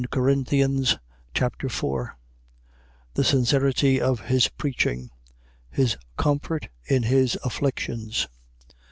2 Corinthians Chapter 4 The sincerity of his preaching. His comfort in his afflictions.